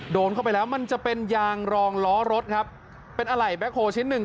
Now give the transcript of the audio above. โดนเข้าไปแล้วมันจะเป็นยางรองล้อรถครับเป็นอะไรแบ็คโฮลชิ้นหนึ่ง